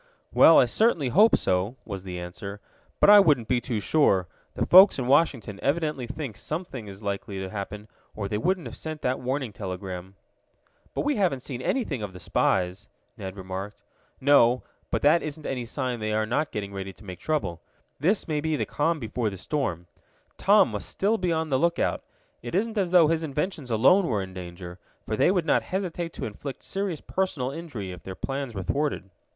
"Well, I certainly hope so," was the answer. "But I wouldn't be too sure. The folks in Washington evidently think something is likely to happen, or they wouldn't have sent that warning telegram." "But we haven't seen anything of the spies," Ned remarked. "No, but that isn't any sign they are not getting ready to make trouble. This may be the calm before the storm. Tom must still be on the lookout. It isn't as though his inventions alone were in danger, for they would not hesitate to inflict serious personal injury if their plans were thwarted."